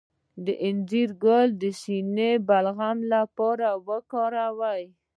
د انځر ګل د سینه بغل لپاره وکاروئ